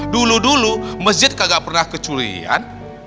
dulu dulu masjid kagak pernah kecurian